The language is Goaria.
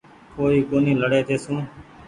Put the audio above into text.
ڪوئي ڪونيٚ لهڙي تيسون